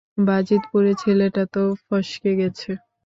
বাজিতপুরের ছেলেটা তো ফসকে গেছে।